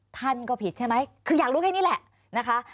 ท่านก็ผิดใช่ไหมคืออยากรู้แค่นี้แหละนะคะ